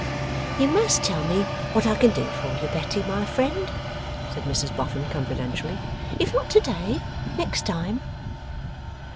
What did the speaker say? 'You must tell me what I can do for you, Betty my friend,' said Mrs Boffin confidentially, 'if not to day, next time.